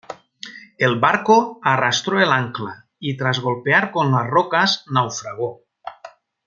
El barco arrastró el ancla y tras golpear con las rocas naufragó.